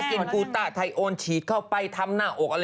กินกูต้าไทยโอนฉีดเข้าไปทำหน้าอกอะไร